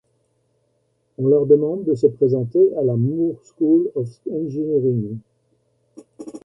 On leur demande de se présenter à la Moore School of Engineering.